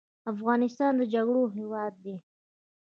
افغانستان د جګړو هیواد دی